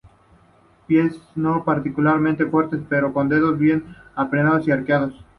Pies no particularmente fuertes, pero con dedos bien apretados y arqueados.